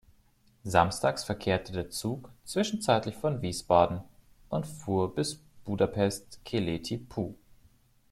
Samstags verkehrte der Zug zwischenzeitlich von Wiesbaden und fuhr bis Budapest Keleti pu.